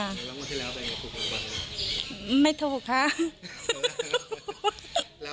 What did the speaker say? แล้วเมื่อที่แล้วเป็นอย่างไรถูกหรือเปล่า